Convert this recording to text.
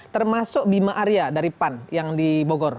termasuk bima arya dari pan yang di bogor